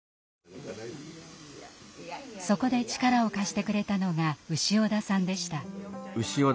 そこで力を貸してくれたのが潮田さんでした。